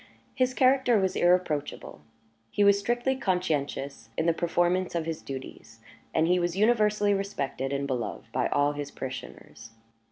His character was irreproachable; he was strictly conscientious in the performance of his duties; and he was universally respected and beloved by all his parishioners.